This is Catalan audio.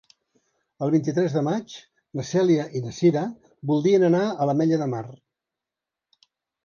El vint-i-tres de maig na Cèlia i na Cira voldrien anar a l'Ametlla de Mar.